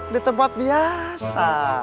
di tempat biasa